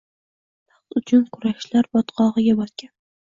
Taxt uchun kurashlar botqog‘iga botgan.